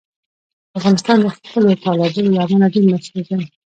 افغانستان د خپلو تالابونو له امله هم ډېر مشهور دی.